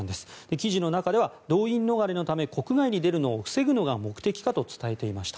記事の中では動員逃れのため国外に出るのを防ぐ目的かと伝えていました。